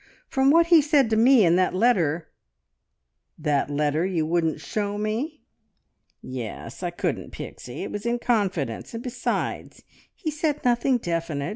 From what he said to me in that letter " "That letter you wouldn't show me?" "Yes. I couldn't, Pixie! It was in confidence, and besides, he said nothing definite.